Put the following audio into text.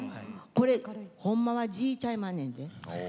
これほんまは地ちゃいまんねんで。